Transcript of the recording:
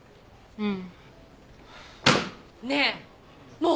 うん。